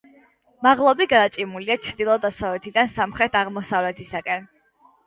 მაღლობი გადაჭიმულია ჩრდილო-დასავლეთიდან სამხრეთ-აღმოსავლეთისაკენ.